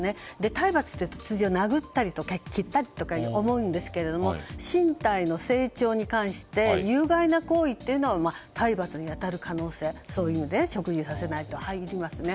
体罰って通常殴ったりとか蹴ったりだと思うんですが身体の成長に関して有害な行為は体罰に当たる可能性、そういう食事させないとかは入りますね。